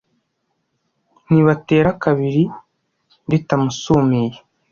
ntibatera kabiri ritamusumiye.